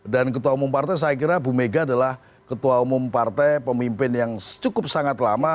dan ketua umum partai saya kira bu mega adalah ketua umum partai pemimpin yang cukup sangat lama